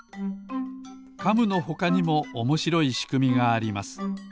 カムのほかにもおもしろいしくみがあります。